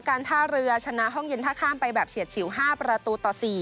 การท่าเรือชนะห้องเย็นท่าข้ามไปแบบเฉียดฉิว๕ประตูต่อ๔